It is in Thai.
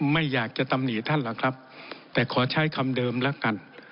ไม่อยากจะตำหนิท่านหรอกครับแต่ขอใช้คำเดิมแล้วกัน